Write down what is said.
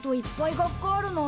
学科あるな。